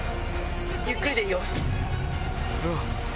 ゆっくりでいいよ。